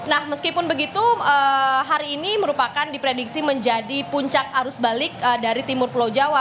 nah meskipun begitu hari ini merupakan diprediksi menjadi puncak arus balik dari timur pulau jawa